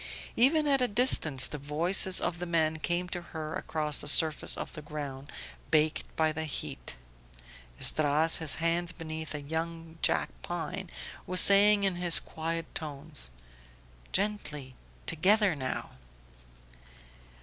Even at a distance the voices of the men came to her across the surface of the ground baked by the heat; Esdras, his hands beneath a young jack pine, was saying in his quiet tones: "Gently ... together now!"